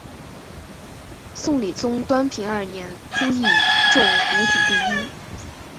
宋理宗端平二年朱熠中武举第一。